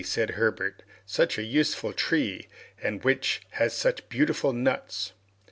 said Herbert, "such a useful tree, and which has such beautiful nuts!"